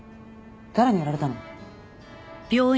誰にやられたの？